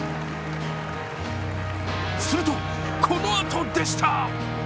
すると、このあとでした。